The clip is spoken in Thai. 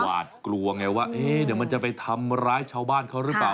หวาดกลัวไงว่าเดี๋ยวมันจะไปทำร้ายชาวบ้านเขาหรือเปล่า